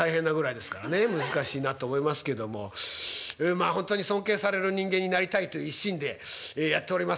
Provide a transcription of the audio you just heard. まあほんとに尊敬される人間になりたいという一心でやっておりますけども。